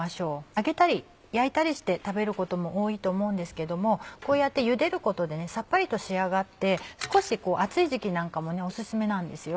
揚げたり焼いたりして食べることも多いと思うんですけどもこうやってゆでることでさっぱりと仕上がって少し暑い時期なんかもねオススメなんですよ。